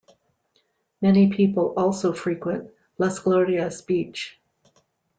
Many people also frequent Las Glorias beach.